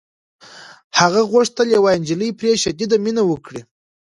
هغه غوښتل یوه نجلۍ پرې شدیده مینه وکړي